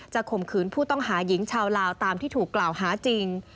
ข่มขืนผู้ต้องหาหญิงชาวลาวตามที่ถูกกล่าวหาจริง